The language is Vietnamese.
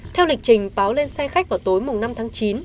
theo lịch trình báo lên xe khách vào tối năm tháng chín